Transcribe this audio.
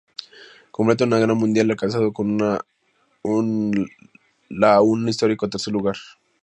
Completa un gran Mundial, alcanzando con la un histórico tercer lugar.